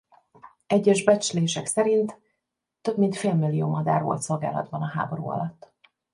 Egyes becslések szerint több mint félmillió madár volt szolgálatban a háború alatt.